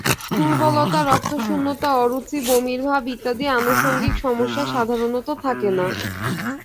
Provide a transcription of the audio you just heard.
দুর্বলতা, রক্তশূন্যতা, অরুচি, বমির ভাব ইত্যাদি আনুষঙ্গিক সমস্যা সাধারণত থাকে না।